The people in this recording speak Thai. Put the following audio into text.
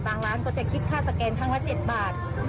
ต่างร้านก็จะคิดค่าสแกนทั้งวัน๗บาท